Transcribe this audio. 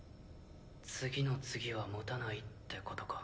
次の次はもたないってことか。